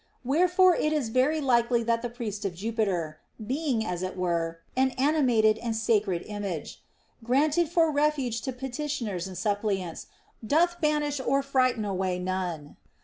Wherefore it is very likely that the priest of Jupiter, being (as it were) an animated and sacred image, granted for refuge to petitioners and sup pliants, doth banish or fright away none.